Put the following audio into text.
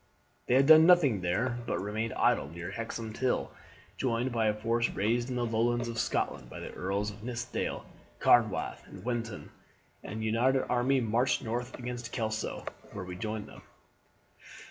They had done nothing there but remained idle near Hexham till, joined by a force raised in the Lowlands of Scotland by the Earls of Nithsdale, Carnwath, and Wintoun, the united army marched north again to Kelso, where we joined them.